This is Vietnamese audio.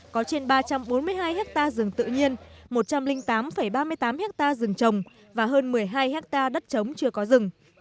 có trên ba trăm bốn mươi hai hectare rừng tự nhiên một trăm linh tám ba mươi tám hectare rừng trồng và hơn một mươi hai hectare đất trống chưa có rừng